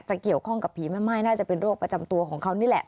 เกี่ยวข้องกับผีแม่ม่ายน่าจะเป็นโรคประจำตัวของเขานี่แหละ